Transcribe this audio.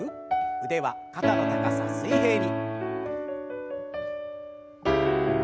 腕は肩の高さ水平に。